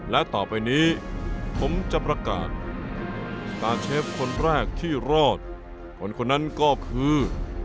และต่อไปนี้ผมจะประกาศสตาร์เชฟคนแรกที่รอดคนคนนั้นก็คือ